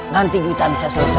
nanti kita bisa selesaikan